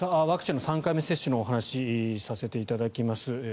ワクチンの３回目接種のお話させていただきます。